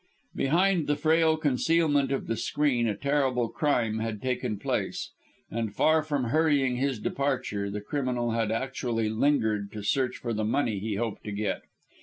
Behind the frail concealment of the screen a terrible crime had taken place, and, far from hurrying his departure, the criminal had actually lingered to search for the money he hoped to get.